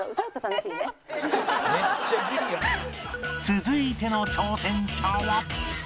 続いての挑戦者は